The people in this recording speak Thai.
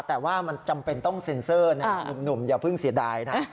แต่ว่ามันจำเป็นต้องเซ็นเซอร์นะหนุ่มอย่าเพิ่งเสียดายนะ